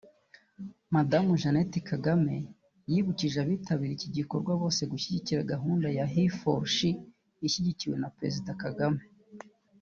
Madamu Jeannette Kagame yibukije abitabiriye iki gikorwa bose gushyigikira gahunda ya HeForShe ishyigikiwe na Perezida Kagame